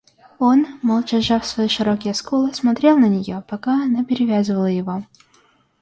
Он, молча сжав свои широкие скулы, смотрел на нее, пока она перевязывала его.